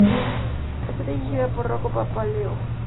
Está dirigida por Rocco Papaleo.